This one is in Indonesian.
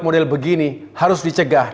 model begini harus dicegah